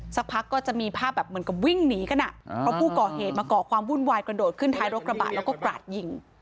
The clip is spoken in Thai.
สักพักก็จะมีภาพแบบเหมือนกับวิ่งหนีกันอ่ะเพราะผู้ก่อเหตุมาก่อความวุ่นวายกระโดดขึ้นท้ายรถกระบะแล้วก็กราดยิง